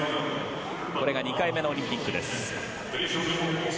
これが２回目のオリンピックです。